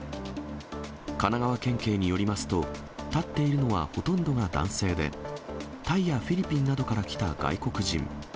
神奈川県警によりますと、立っているのはほとんどが男性で、タイやフィリピンなどから来た外国人。